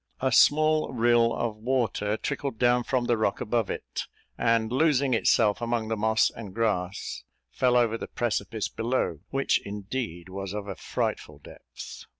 A small rill of water trickled down from the rock above it, and, losing itself among the moss and grass, fell over the precipice below, which indeed was of a frightful depth.